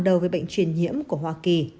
đầu về bệnh truyền nhiễm của hoa kỳ